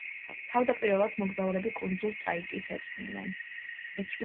თავდაპირველად მოგზაურები კუნძულ ტაიტის ეწვივნენ.